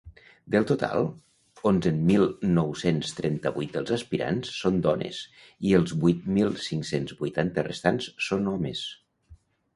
Del total, onzen mil nou-cents trenta-vuit dels aspirants són dones i els vuit mil cinc-cents vuitanta restants són homes.